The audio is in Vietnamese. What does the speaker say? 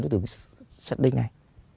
đối tượng sẽ đi ngay